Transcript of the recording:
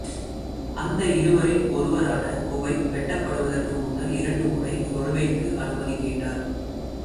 அந்த இருவரில் ஒருவரான குபைப் வெட்டப்படுவதற்கு முன்னர் இரண்டு முறை தொழுகைக்கு அனுமதி கேட்டார்.